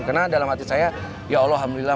karena dalam hati saya ya allah alhamdulillah